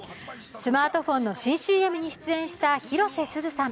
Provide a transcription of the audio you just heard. スマートフォンの新ＣＭに出演した広瀬すずさん。